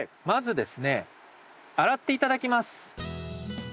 まずですね洗って頂きます。